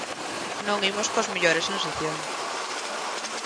Non imos coas mellores sensacións.